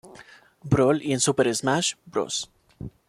Brawl y en Super Smash Bros.